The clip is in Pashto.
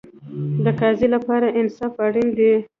د قاضي لپاره انصاف اړین دی